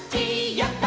やった！